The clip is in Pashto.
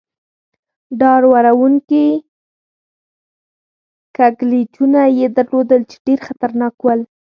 ډار و ر و نکي کږلېچونه يې درلودل، چې ډېر خطرناک ول.